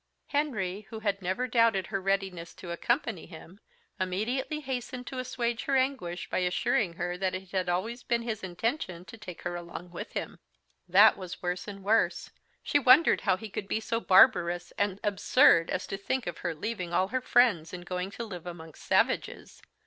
Henry, who had never doubted her readiness to accompany him, immediately hastened to assuage her anguish by assuring her that it had always been his intention to take her along with him. That was worse and worse: she wondered how he could be so barbarous and absurd as to think of her leaving all her friends and going to live amongst savages.